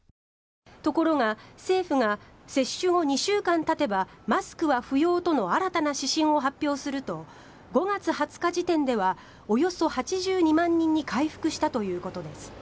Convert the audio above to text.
ところが、政府が接種後２週間たてばマスクは不要との新たな指針を発表すると５月２０日時点ではおよそ８２万人に回復したということです。